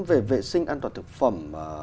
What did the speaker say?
về vệ sinh an toàn thực phẩm